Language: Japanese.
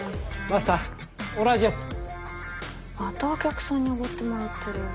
またお客さんに奢ってもらってる。